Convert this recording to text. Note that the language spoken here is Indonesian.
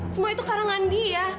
semua itu karangan dia